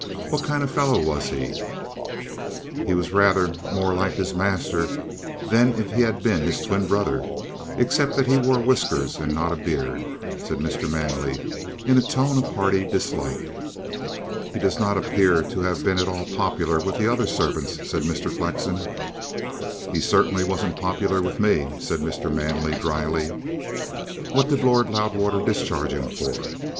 What kind of a fellow was he?" "He was rather more like his master than if he had been his twin brother, except that he wore whiskers and not a beard," said Mr. Manley, in a tone of hearty dislike. "He does not appear to have been at all popular with the other servants," said Mr. Flexen. "He certainly wasn't popular with me," said Mr. Manley dryly. "What did Lord Loudwater discharge him for?"